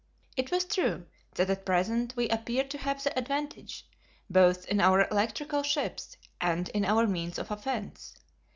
It was true that at present we appeared to have the advantage, both in our electrical ships and in our means of offence.